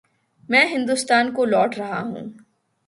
میں ہندوستان کو لوٹ رہا ہوں۔